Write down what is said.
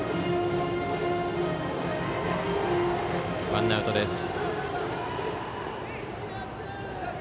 ワンアウトです。